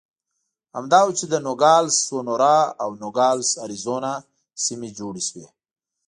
همدا و چې د نوګالس سونورا او نوګالس اریزونا سیمې جوړې شوې.